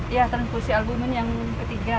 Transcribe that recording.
iya transkursi albumen yang ketiga